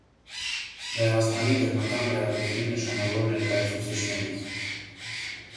Լեհաստանի բեմական ռեալիզմի նշանավոր ներկայացուցիչներից։